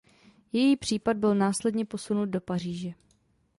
Její případ byl následně posunut do Paříže.